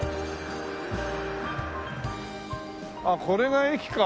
ああこれが駅か。